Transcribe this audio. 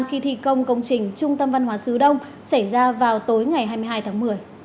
khi thi công công trình trung tâm văn hóa sứ đông xảy ra vào tối ngày hai mươi hai tháng một mươi